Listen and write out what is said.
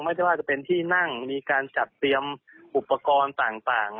ไม่ว่าจะเป็นที่นั่งมีการจัดเตรียมอุปกรณ์ต่าง